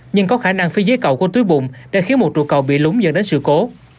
nhưng có khả năng phía dưới cầu của túi bụng đã khiến một trụ cầu bị lúng dẫn đến sự cố